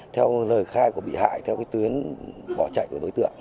theo lời khai của bị hại theo cái tuyến bỏ chạy của đối tượng